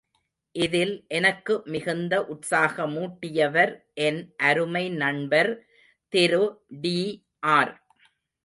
இதில் எனக்கு மிகுந்த உற்சாக மூட்டியவர் என் அருமை நண்பர் திரு டி.ஆர்.